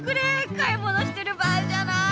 買い物してる場合じゃない！